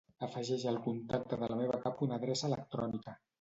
Afegeix al contacte de la meva cap una adreça electrònica.